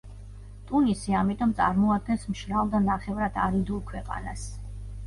ტუნისი ამიტომ წარმოადგენს მშრალ და ნახევრად არიდულ ქვეყანას.